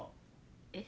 えっ？